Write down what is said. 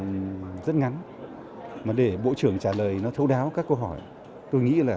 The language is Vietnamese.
với thời gian rất ngắn mà để bộ trưởng trả lời nó thấu đáo các câu hỏi tôi nghĩ là sẽ rất là khó